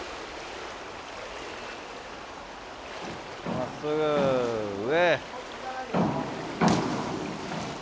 まっすぐ上！